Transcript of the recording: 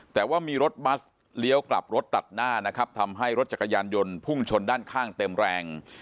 แต่ว่ามีรถบัสเลี้ยวกลับรถตัดหน้านะครับทำให้รถจักรยานยนต์พุ่งชนด้านข้างเต็มแรง